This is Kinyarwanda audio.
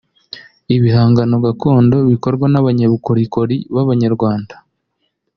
Ibihangano gakondo bikorwa n’abanyabukorikori b’Abanyarwanda